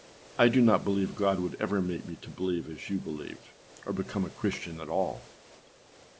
com âI do not believe God would ever make me to believe as you believe, or become a Christian at all.